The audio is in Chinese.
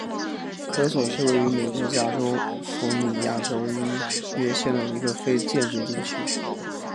科索是位于美国加利福尼亚州因约县的一个非建制地区。